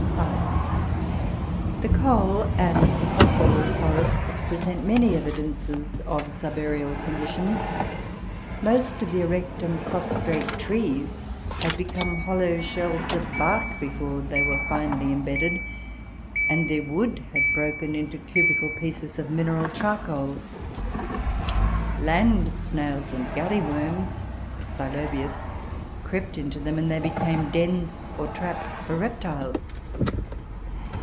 (5) The coal and the fossil forests present many evidences of subaërial conditions. Most of the erect and prostrate trees had become hollow shells of bark before they were finally embedded, and their wood had broken into cubical pieces of mineral charcoal. Land snails and galley worms (Xylobius) crept into them, and they became dens, or traps, for reptiles.